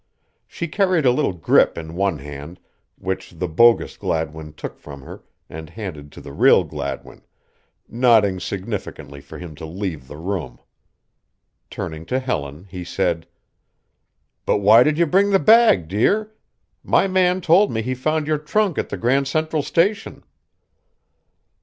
She carried a little grip in one hand, which the bogus Gladwin took from her and handed to the real Gladwin, nodding significantly for him to leave the room. Turning to Helen, he said: "But why did you bring the bag, dear? My man told me he found your trunk at the Grand Central Station."